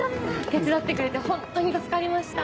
手伝ってくれてホントに助かりました。